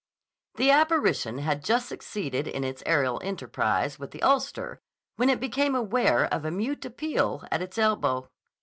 The apparition had just succeeded in its aerial enterprise with the ulster when it became aware of a mute appeal at its elbow.